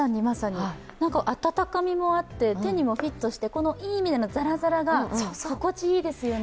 温かみもあって、手にもフィットしていい意味でのザラザラが心地いいですよね。